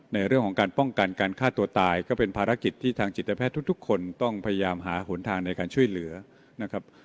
ในเรื่องของการป้องกันการฆ่าตัวตายก็เป็นภารกิจที่ทางจิตแพทย์ทุกคนต้องพยายามหาหนทางในการช่วยเหลือนะครับ